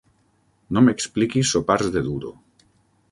No m'expliquis sopars de duro!